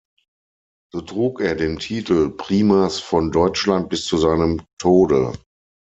So trug er den Titel Primas von Deutschland bis zu seinem Tode.